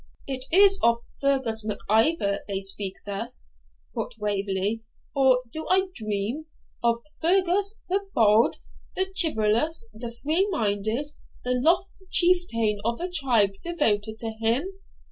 'Is it of Fergus Mac Ivor they speak thus,' thought Waverley, 'or do I dream? Of Fergus, the bold, the chivalrous, the free minded, the lofty chieftain of a tribe devoted to him?